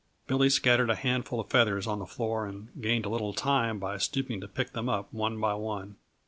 Billy scattered a handful of feathers on the floor and gained a little time by stooping to pick them up one by one.